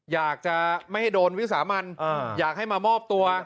อยากจะไม่ให้โดนวิสามันอยากให้มามอบตัว